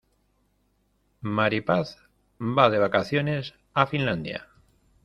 Mari Paz va de vacaciones a Finlandia.